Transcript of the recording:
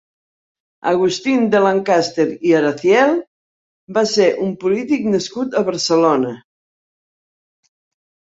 Agustín de Lancaster i Araciel va ser un polític nascut a Barcelona.